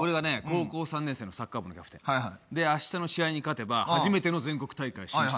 高校３年生のサッカー部のキャプテン。であしたの試合に勝てば初めての全国大会進出。